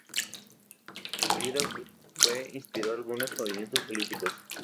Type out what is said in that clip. Lira fue inspiró a algunos movimientos políticos.